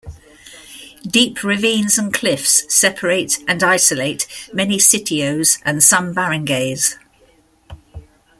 Deep ravines and cliffs separate and isolate many sitios and some barangays.